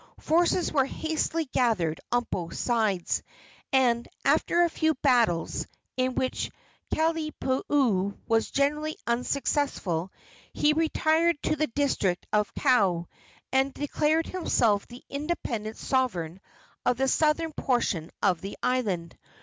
Forces were hastily gathered on both sides, and after a few battles, in which Kalaniopuu was generally unsuccessful, he retired to the district of Kau, and declared himself the independent sovereign of the southern portion of the island.